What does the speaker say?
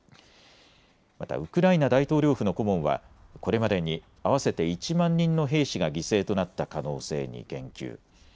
またウクライナ大統領府の顧問はこれまでに合わせて１万人の兵士が犠牲となった可能性に言及。